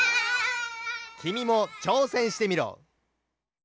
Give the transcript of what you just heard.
きみもちょうせんしてみろ！